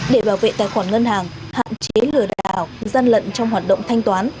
để bảo vệ tài khoản ngân hàng hạn chế lừa đảo gian lận trong hoạt động thanh toán